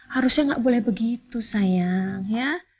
harusnya nggak boleh begitu sayang ya